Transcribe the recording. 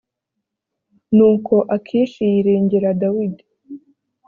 nuko akishi yiringira dawidi .